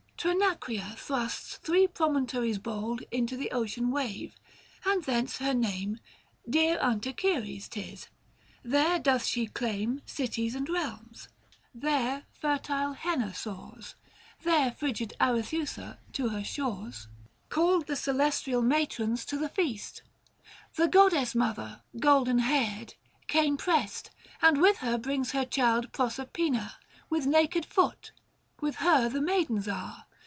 Trinacria thrusts three promontories bold Into the ocean wave, and thence her name. Dear unto Ceres 'tis : there doth she claim 470 Cities and realms ; there fertile Henna soars ; There frigid Arethusa to her shores 118 THE FASTI. Book IV. Called the celestial matrons to the feast. The goddess mother, golden haired, came prest, And with her brings her child Proserpina, 475 With naked foot ; with her the maidens are.